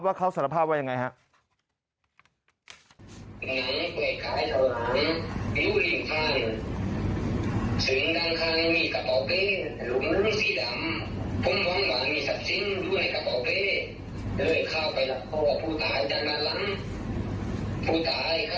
เขาสารภาพว่ายังไงครับ